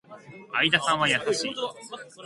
相田さんは優しい